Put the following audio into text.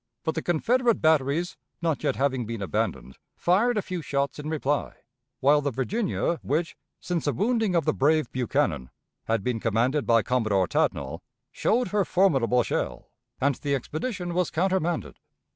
But the Confederate batteries, not yet having been abandoned, fired a few shots in reply, while the Virginia, which, since the wounding of the brave Buchanan, had been commanded by Commodore Tatnall, showed her formidable shell, and the expedition was countermanded.